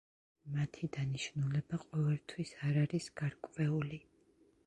მათი დანიშნულება ყოველთვის არ არის გარკვეული.